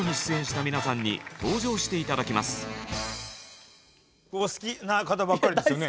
ここでお好きな方ばっかりですよね？